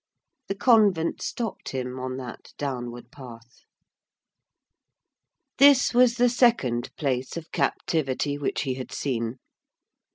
The convent stopped him on that downward path. This was the second place of captivity which he had seen.